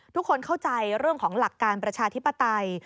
ทุกคนเข้าใจเรื่องของหลักการประชาธิปไตย